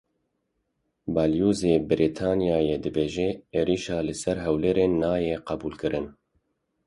Balyozê Brîtanyayê dibêje êrişa li ser Hewlêrê nayê qebûlkirin.